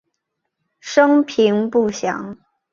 生平不详。